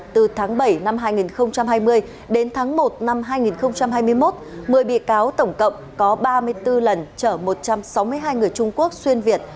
từ tháng bảy năm hai nghìn hai mươi đến tháng một năm hai nghìn hai mươi một một mươi bị cáo tổng cộng có ba mươi bốn lần chở một trăm sáu mươi hai người trung quốc xuyên việt